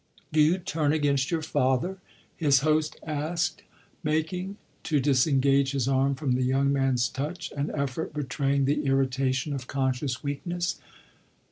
"Do you turn against your father?" his host asked, making, to disengage his arm from the young man's touch, an effort betraying the irritation of conscious weakness.